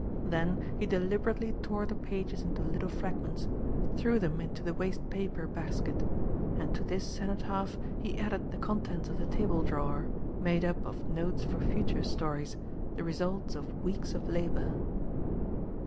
Then he deliberately tore the pages into little fragments, threw them into the waste paper basket. And to this cenotaph he added the contents of the table drawer, made up of notes for future stories, the results of weeks of labor.